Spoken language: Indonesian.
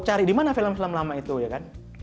cari di mana film film lama itu ya kan